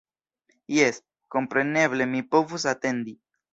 Jes, kompreneble mi povus atendi.